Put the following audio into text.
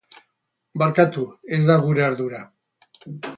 Barkatu, ez da gure ardura.